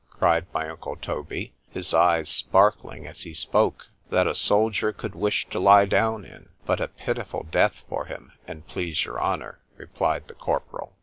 cried my uncle Toby, his eyes sparkling as he spoke, that a soldier could wish to lie down in.——But a pitiful death for him! an' please your honour, replied the corporal.